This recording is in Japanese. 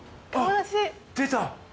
出た。